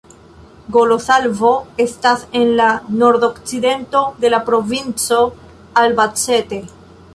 Golosalvo estas en la nordokcidento de la provinco Albacete.